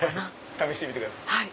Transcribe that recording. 試してみてください。